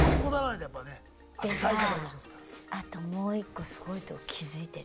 でさああともう一個すごいとこ気付いてる？